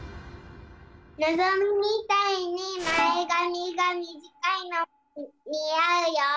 のぞみみたいにまえがみがみじかいのにあうよ。